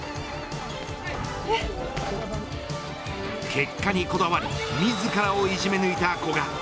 結果にこだわり自らをいじめ抜いた古賀。